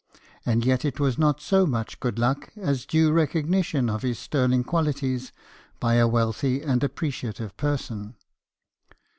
And yet it was not so much good luck as due recognition of his sterling qualities by a wealthy and appreciative person.